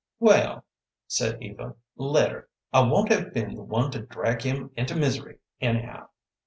"Well," said Eva, "let her. I won't have been the one to drag him into misery, anyhow."